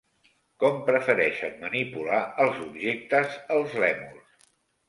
Com prefereixen manipular els objectes els lèmurs?